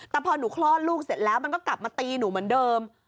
แต่พอหนูคลอดลูกเสร็จแล้วมันก็กลับมาตีหนูเหมือนเดิม